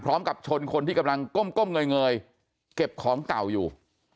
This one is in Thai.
ชนคนที่กำลังก้มเงยเก็บของเก่าอยู่